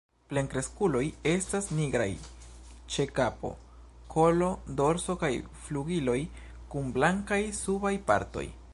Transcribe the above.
Plenkreskuloj estas nigraj ĉe kapo, kolo, dorso kaj flugiloj kun blankaj subaj partoj.